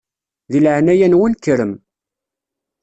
Di leɛnaya-nwen kkrem.